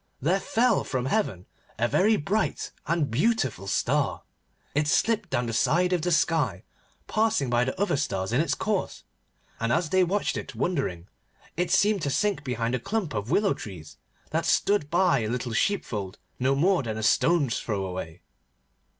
There fell from heaven a very bright and beautiful star. It slipped down the side of the sky, passing by the other stars in its course, and, as they watched it wondering, it seemed to them to sink behind a clump of willow trees that stood hard by a little sheepfold no more than a stone's throw away.